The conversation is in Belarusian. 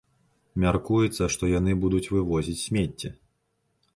Мяркуецца, што яны будуць вывозіць смецце.